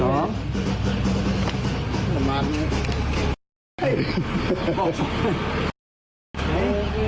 ประมาณนี้